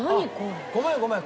ごめんごめん。